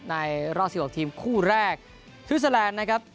ในรอดสี่หกทีมคู่แรกทฤษแลนด์นะครับ